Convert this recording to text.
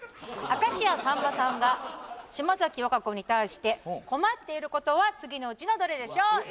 明石家さんまさんが島崎和歌子に対して困っていることは次のうちのどれでしょう？